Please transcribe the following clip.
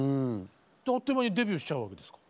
あっという間にデビューしちゃうわけですか？